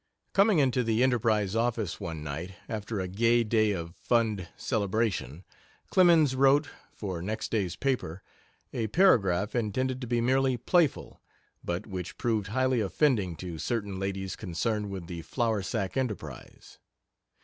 Coming into the Enterprise office one night, after a gay day of "Fund" celebration, Clemens wrote, for next day's paper, a paragraph intended to be merely playful, but which proved highly offending to certain ladies concerned with the flour sack enterprise.